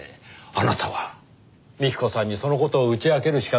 あなたは幹子さんにその事を打ち明けるしかなかった。